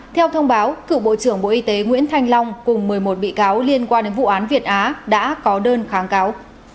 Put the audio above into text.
theo thông báo cựu bộ trưởng bộ y tế nguyễn thanh long cùng một mươi một bị cáo liên quan đến vụ án việt á đã có đơn kháng cáo